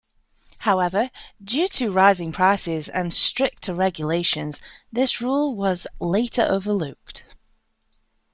However, due to rising prices and stricter regulations this rule was later overlooked.